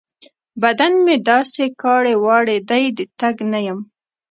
بدن مې داسې کاړې واړې دی؛ د تګ نه يم.